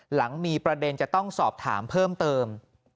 หลังมีประเด็นจะต้องสอบถามเพิ่มเติม